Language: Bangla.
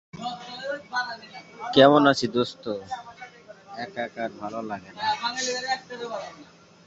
টঙ্ক শহরটি জেলা সদর।